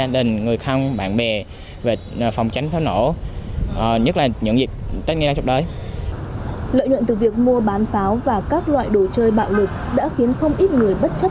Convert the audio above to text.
lợi nhuận từ việc mua bán pháo và các loại đồ chơi bạo lực đã khiến không ít người bất chấp